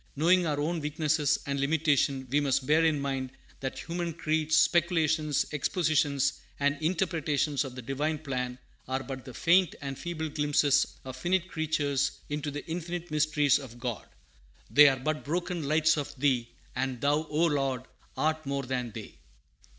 Knowing our own weaknesses and limitations, we must bear in mind that human creeds, speculations, expositions, and interpretations of the Divine plan are but the faint and feeble glimpses of finite creatures into the infinite mysteries of God. "They are but broken lights of Thee, And Thou, O Lord, art more than they."